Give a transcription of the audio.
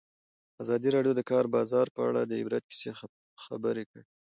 ازادي راډیو د د کار بازار په اړه د عبرت کیسې خبر کړي.